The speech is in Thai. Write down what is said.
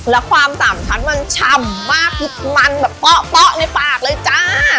และความ๓ชั้นมันชำมากมันแบบป๊อกในปากเลยจ้า